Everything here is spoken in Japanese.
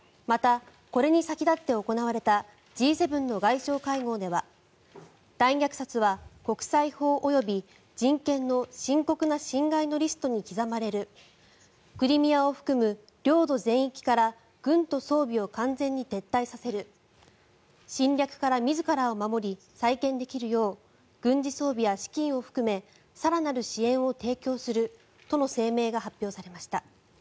また、これに先立って行われたＧ７の外相会合では大虐殺は国際法及び人権の深刻な侵害のリストに刻まれるクリミアを含む領土全域から軍と装備を完全に撤退させる侵略から自らを守り再建できるよう軍事装備や資金を含め更なる支援を提供するとの声明が発表されました。